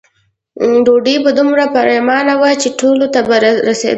ډوډۍ به دومره پریمانه وه چې ټولو ته به رسېده.